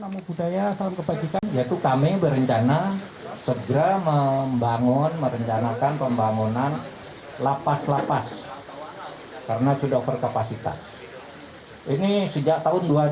mahfud md mengungkapkan masalah lapas overkapasitas sudah menjadi perhatiannya sejak tahun dua ribu empat silam